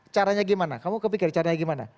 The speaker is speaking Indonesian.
caranya gimana kamu kepikir caranya gimana